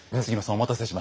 お待たせしました。